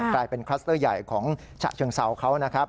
กลายเป็นคลัสเตอร์ใหญ่ของฉะเชิงเซาเขานะครับ